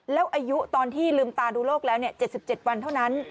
แล้วอายุตอนที่ลืมตาดูโลกแล้ว๗๗วันเท่านั้น